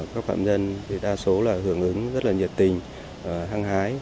các phạm nhân đa số là hưởng ứng rất là nhiệt tình hăng hái